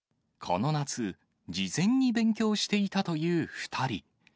この夏、事前に勉強していたという２人。